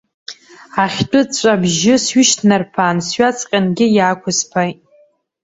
Ахьтәы ҵәҵәа абжьы сҩышьҭнарԥан, сҩаҵҟьангьы иаақәысԥааит.